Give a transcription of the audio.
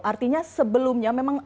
artinya sebelumnya memang